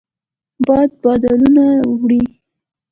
باد بادلونه وړي